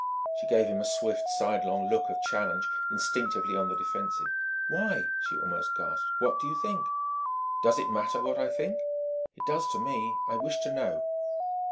She gave him a swift, sidelong look of challenge, instinctively on the defensive. "Why," she almost gasped "what do you think ?" "Does it matter what I think?" "It does, to me: I wish to know!"